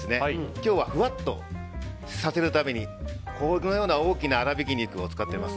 今日はふわっと仕上げるためにこのような大きな粗びき肉を使っています。